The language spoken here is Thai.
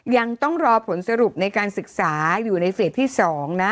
ยังต้องรอผลสรุปในการศึกษาอยู่ในเฟสที่๒นะ